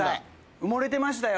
埋もれてましたよ